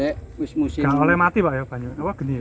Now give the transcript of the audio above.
kalau mati pak apa ini